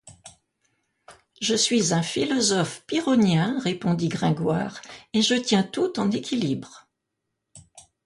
Je suis un philosophe pyrrhonien, répondit Gringoire, et je tiens tout en équilibre.